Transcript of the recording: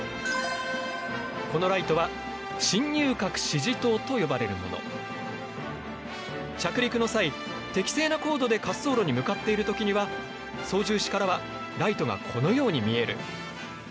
このライトは着陸の際適正な高度で滑走路に向かっている時には操縦士からはライトがこのように見える。